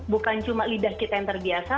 bukan cuma lidah kita yang terbiasa